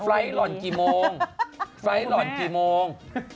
หล่อนกี่โมงไฟล์หล่อนกี่โมง